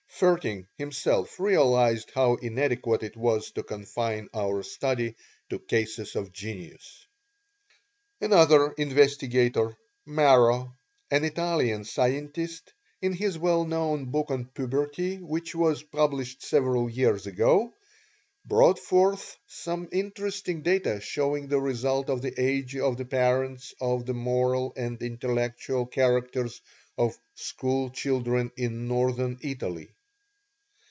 Vaerting, himself, realized how inadequate it was to confine our study to cases of genius. Another investigator, Marro, an Italian scientist, in his well known book on puberty which was published several years ago, brought forth some interesting data showing the result of the age of the parents on the moral and intellectual characters of school children in Northern Italy.